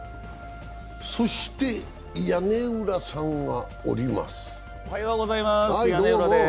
そして屋根裏さんがおります。